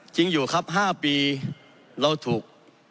จริงอยู่ครับ๕ปีเราถูก